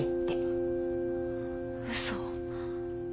うそ。